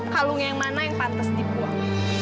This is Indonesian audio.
kalung yang mana yang pantas dibuang